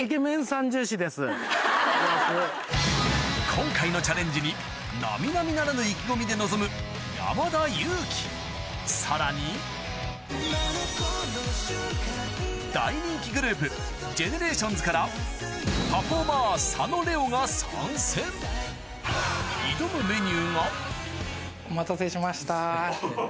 今回のチャレンジに並々ならぬ意気込みで臨むさらに大人気グループからパフォーマー佐野玲於が参戦挑むメニューがお待たせしました。